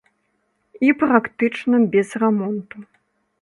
І практычна без рамонту.